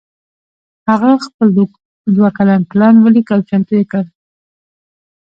هغه خپل دوه کلن پلان وليکه او چمتو يې کړ.